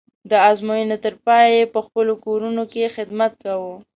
د ازموینې تر پایه یې په خپلو کورونو کې خدمت کوو.